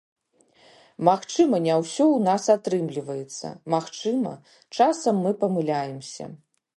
Магчыма, не ўсё ў нас атрымліваецца, магчыма, часам мы памыляемся.